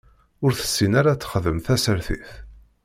Ur tessin ara ad texdem tasertit.